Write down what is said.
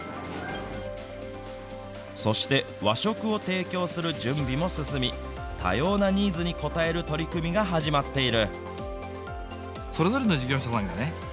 そして和食を提供する準備も進み、多様なニーズに応える取り組みが始まっている。